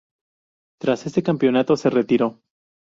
Tras este campeonato se retiró.